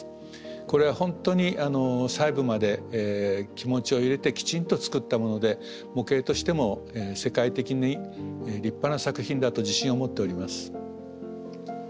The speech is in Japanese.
これは本当に細部まで気持ちを入れてきちんと造ったもので模型としても世界的に立派な作品だと自信を持っております。